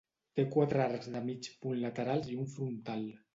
Té quatre arcs de mig punt laterals i un frontal.